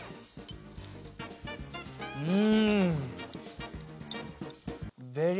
うん！